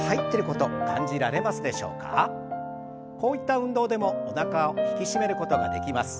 こういった運動でもおなかを引き締めることができます。